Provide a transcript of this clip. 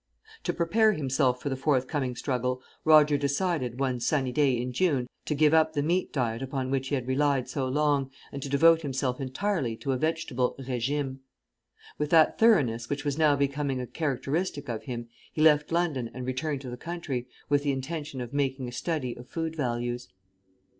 To prepare himself for the forthcoming struggle Roger decided, one sunny day in June, to give up the meat diet upon which he had relied so long, and to devote himself entirely to a vegetable régime. With that thoroughness which was now becoming a characteristic of him, he left London and returned to the country, with the intention of making a study of food values.